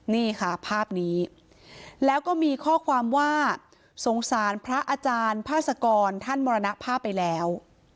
นี่ค่ะภาพนี้แล้วก็มีข้อความว่าสงสารพระอาจารย์พาสกรท่านมรณภาพไปแล้ว